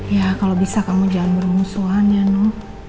ya kalo bisa kamu jangan bermusuhannya noh